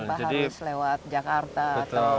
tanpa harus lewat jakarta atau betul